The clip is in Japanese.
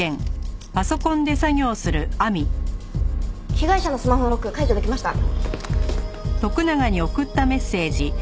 被害者のスマホのロック解除できました。